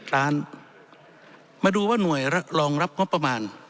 ๕๔๑๒๑ล้านมาดูว่าหน่วยรองรับงบประมาณ